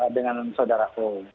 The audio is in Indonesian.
dengan saudara o